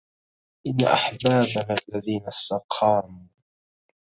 إن أحبابنا الذين استقاموا